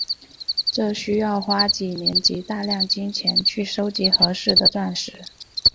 这需要花几年及大量金钱去收集合适的钻石。